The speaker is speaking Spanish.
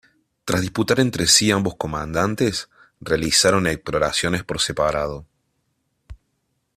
Tras disputar entre sí ambos comandantes, realizaron exploraciones por separado.